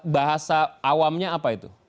bahasa awamnya apa itu